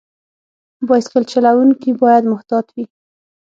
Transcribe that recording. بایسکل چلونکي باید محتاط وي.